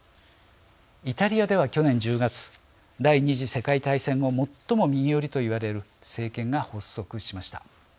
イタリアでは去年１０月第２次世界大戦後もっとも右寄りと言われる政権が発足しました。